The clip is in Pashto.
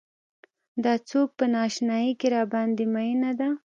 دا څوک په نا اشنايۍ کې راباندې مينه ده.